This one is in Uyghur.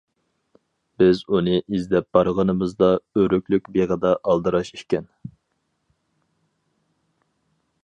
بىز ئۇنى ئىزدەپ بارغىنىمىزدا ئۆرۈكلۈك بېغىدا ئالدىراش ئىكەن.